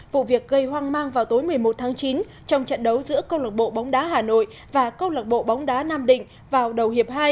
vụ việc gây hoang mang vào tối một mươi một tháng chín trong trận đấu giữa công lộc bộ bóng đá hà nội và công lộc bộ bóng đá nam định vào đầu hiệp hai